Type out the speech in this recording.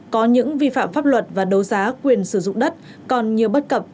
có những vi phạm pháp luật và đấu giá quyền sử dụng đất còn nhiều bất cập